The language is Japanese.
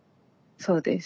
そうです。